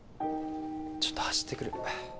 ちょっと走ってくる